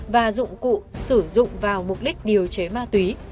và dụng cụ sử dụng vào mục đích điều chế ma túy